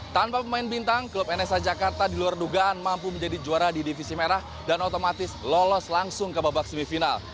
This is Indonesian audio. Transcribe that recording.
tanpa pemain bintang klub nsa jakarta diluar dugaan mampu menjadi juara di divisi merah dan otomatis lolos langsung ke babak semifinal